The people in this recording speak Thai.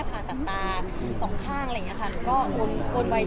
อ๋อหนึ่งเหมือนมันนิสเศษ